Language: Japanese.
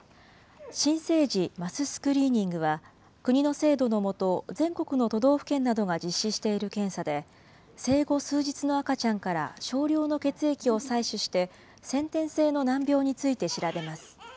新生児マススクリーニングは、国の制度の下、全国の都道府県などが実施している検査で、生後数日の赤ちゃんから少量の血液を採取して、先天性の難病について調べます。